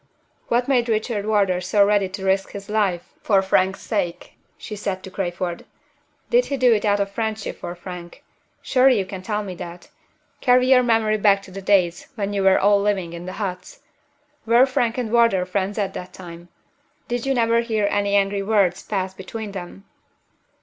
"What made Richard Wardour so ready to risk his life for Frank's sake?" she said to Crayford. "Did he do it out of friendship for Frank? Surely you can tell me that? Carry your memory back to the days when you were all living in the huts. Were Frank and Wardour friends at that time? Did you never hear any angry words pass between them?"